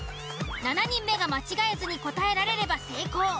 ７人目が間違えずに答えられれば成功。